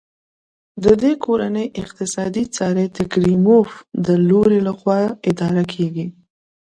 د دې کورنۍ اقتصادي چارې د کریموف د لور لخوا اداره کېږي.